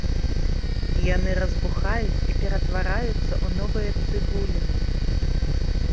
Яны разбухаюць і ператвараюцца ў новыя цыбуліны.